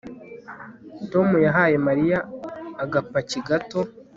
Tom yahaye Mariya agapaki gato